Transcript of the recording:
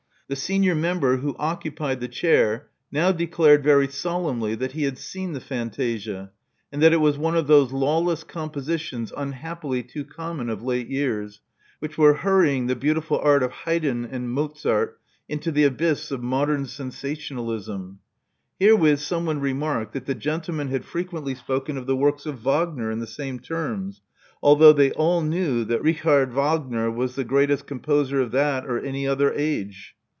The senior member, who 170 Love Among the Artists occupied the chair, now declared very solemnly that he had seen the fantasia, and that it was one of those law less compositions unhappily too common of late years, which were hurrying the beautiful art of Haydn and Mozart into the abyss of modern sensationalism. Here upon someone remarked that the gentleman had fre quently spoken of the works of Wagner in the same terms, although they all knew that Richard Wagner was the greatest composer of that or any other age.